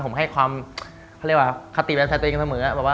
ผมให้ความคติแบบใส่ตัวเองซักหมื่อ